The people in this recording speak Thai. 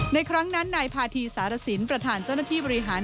ในครั้งนั้นนายพาธีสารสินประธานเจ้าหน้าที่บริหาร